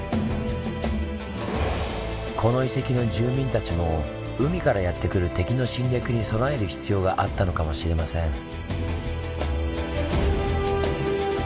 この遺跡の住民たちも海からやって来る敵の侵略に備える必要があったのかもしれません。